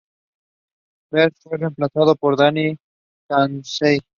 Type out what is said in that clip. Barnes fue reemplazado por Danny Chauncey.